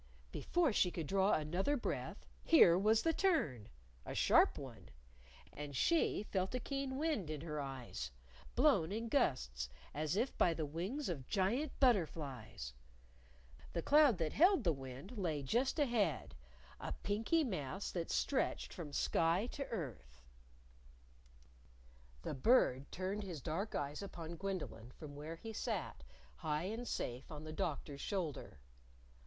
Before she could draw another breath here was the turn! a sharp one. And she, felt a keen wind in her eyes, blown in gusts, as if by the wings of giant butterflies. The cloud that held the wind lay just ahead a pinky mass that stretched from sky to earth. The Bird turned his dark eyes upon Gwendolyn from where he sat, high and safe, on the Doctor's shoulder.